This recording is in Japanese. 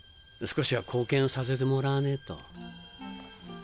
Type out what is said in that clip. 少しは貢献させてもらわねえと。